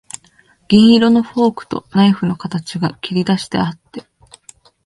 銀色のフォークとナイフの形が切りだしてあって、